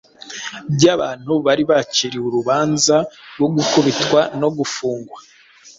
by’abantu bari baciriye urubanza rwo gukubitwa no gufungwa.